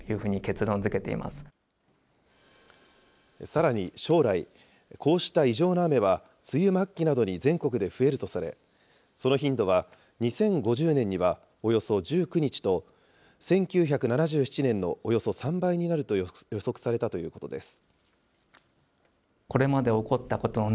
さらに将来、こうした異常な雨は梅雨末期などに全国で増えるとされ、その頻度は２０５０年にはおよそ１９日と、１９７７年のおよそ３倍になると予測されたということです。